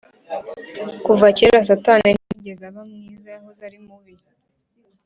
Kuva kera satani ntiyigeze abamwiza yahoze ari mubi